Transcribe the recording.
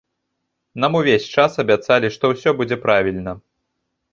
Нам увесь час абяцалі, што ўсё будзе правільна.